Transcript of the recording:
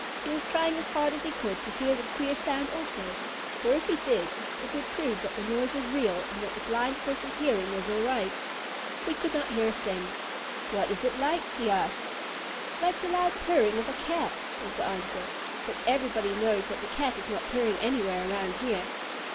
He was trying as hard as he could to hear the queer sound also, for if he did, it would prove that the noise was real and that the Blind Horse's hearing was all right. He could not hear a thing. "What is it like?" he asked. "Like the loud purring of a Cat," was the answer, "but everybody knows that the Cat is not purring anywhere around here."